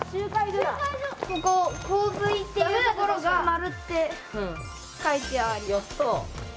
ここ「洪水」っていうところが「○」って書いてある。